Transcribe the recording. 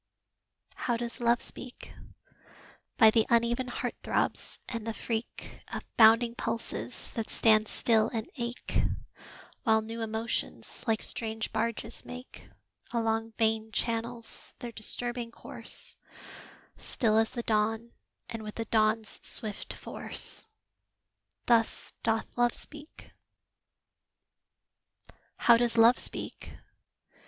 How does Love speak? By the uneven heart throbs, and the freak Of bounding pulses that stand still and ache, While new emotions, like strange barges, make Along vein channels their disturbing course; Still as the dawn, and with the dawn's swift force Thus doth Love speak. How does Love speak?